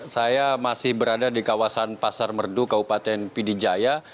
saya masih berada di kawasan pasar merdu kabupaten pidijaya